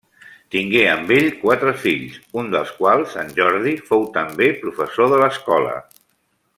Tingué amb ell quatre fills, un dels quals, en Jordi, fou també professor de l'Escola.